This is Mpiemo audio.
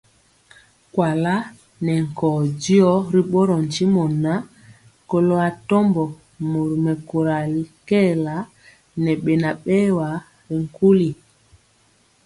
Kuala nɛ nkɔɔ diɔ ri ɓorɔɔ ntimɔ ŋan, kɔlo atɔmbɔ mori mɛkóra kɛɛla ŋɛ beŋa berwa ri nkuli.